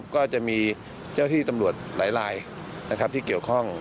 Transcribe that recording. ก็จะมีเจ้าที่ตำรวจหลายลายนะครับที่เกี่ยวข้อง